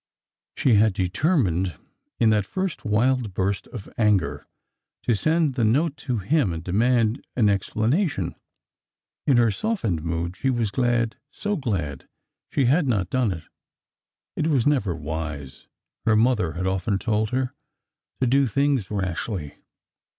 She had determined, in that first wild burst of anger, to send the note to him and demand an explanation. In her softened mood she was glad— so glad!— she had not done it. It was never wise, her mother had often told her, to do things rashly.